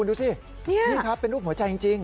ดูสินี่ครับเป็นรูปหัวใจจริง